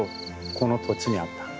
この土地に合った。